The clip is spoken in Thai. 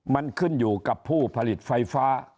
มันขึ้นอยู่กับผู้ผลิตไฟฟ้า